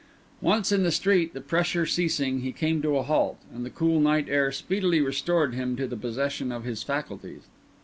Once in the street, the pressure ceasing, he came to a halt, and the cool night air speedily restored him to the possession of his faculties.